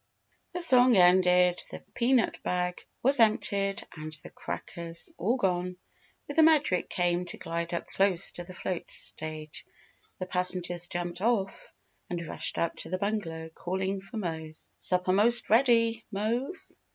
The song ended, the peanut bag was emptied, and the crackers all gone, when the Medric came to glide up close to the float stage. The passengers jumped off and rushed up to the bungalow calling for Mose. "Supper most ready, Mose?